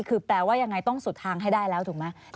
คือแปลว่ายังไงต้องสุดทางให้ได้แล้วถูกไหม